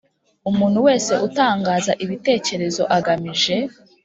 Umuntu wese utangaza ibitekerezo agamije